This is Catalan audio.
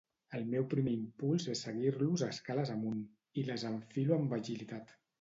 El meu primer impuls és seguir-los escales amunt, i les enfilo amb agilitat.